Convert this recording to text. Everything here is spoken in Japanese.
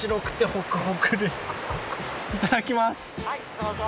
どうぞ。